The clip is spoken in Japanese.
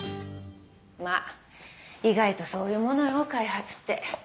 まっ意外とそういうものよ開発って。